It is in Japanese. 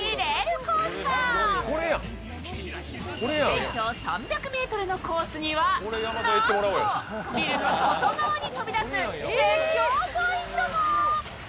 全長３００ｍのコースにはなんと、ビルの外側に飛び出す絶叫ポイントも。